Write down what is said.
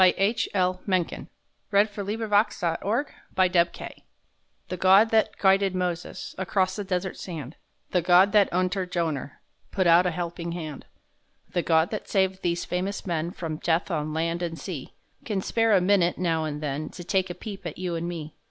for the saints of war!) FAITH The Gawd that guided Moses Acrost the desert sand, The Gawd that unter Joner Put out a helping hand, The Gawd that saved these famous men From death on land an' sea, Can spare a minute now an' then To take a peep at you an' me.